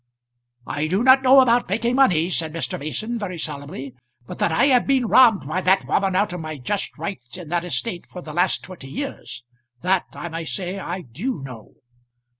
"I do not know about making money," said Mr. Mason, very solemnly. "But that I have been robbed by that woman out of my just rights in that estate for the last twenty years, that I may say I do know."